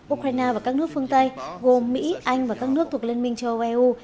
ukraine và các nước phương tây gồm mỹ anh và các nước thuộc liên minh châu âu eu